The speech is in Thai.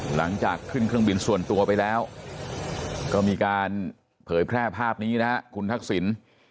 หลังจากขึ้นเครื่องบินส่วนตัวไปแล้วก็มีการเผยแพร่ภาพนี้นะครับคุณทักษิณ